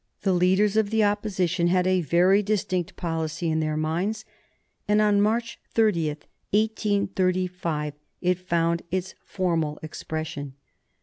The leaders of the Opposition had a very distinct policy in their minds, and on March 30, 1835, it found its formal expression.